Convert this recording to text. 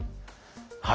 はい。